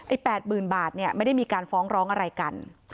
ไอ้แปดหมื่นบาทเนี่ยไม่ได้มีการฟ้องร้องอะไรกัน